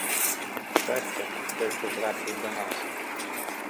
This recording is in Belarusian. Шчасце, што яшчэ трапіў да нас.